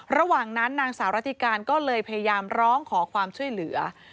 ระหว่างนั้นนางสาวรัติการก็เลยพยายามร้องขอความช่วยเหลือ